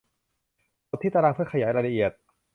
กดที่ตารางเพื่อขยายรายละเอียด